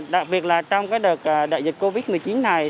đặc biệt là trong cái đợt đại dịch covid một mươi chín này